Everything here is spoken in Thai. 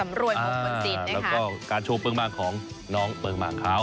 อ่าแล้วก็การโชว์เปลืองบางของน้องเปลืองบางคราว